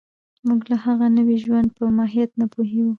موږ د هغه نوي ژوند په ماهیت نه پوهېږو